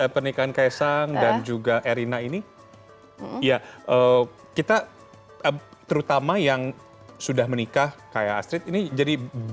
pernikahan kaisang dan juga erina ini ya kita terutama yang sudah menikah kayak astrid ini jadi